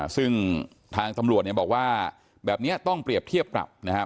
ซึ่งทางตำรวจเนี่ยบอกว่าแบบนี้ต้องเปรียบเทียบปรับนะครับ